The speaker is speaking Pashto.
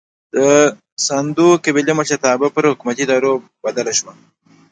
د ساندو قبیلې مشرتابه پر حکومتي ادارې بدله شوه.